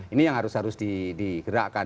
ini yang harus harus digerakkan